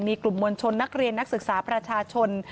มีกลุ่มมวลชนนักเรียนนักศึกษาประชาชน